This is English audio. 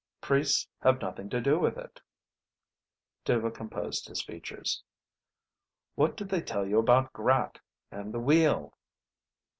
"Priests have nothing to do with it." Dhuva composed his features. "What do they tell you about Grat, and the Wheel?"